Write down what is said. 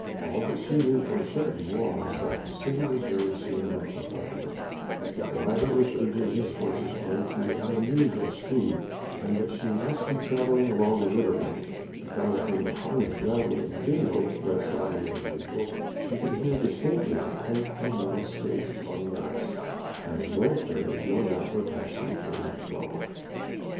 All that she knew for certain was that the city was very soon left behind, that the driver was urging his horses on to unusual speed, and that she must be travelling along a river bank, because when the harness rattled and jingled less loudly than usual, she could hear distinctly the clink of metal skates upon the ice, as wayfarers no doubt were passing to and fro.